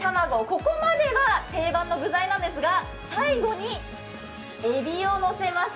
ここまでが定番の具材なんですが最後にえびをのせます。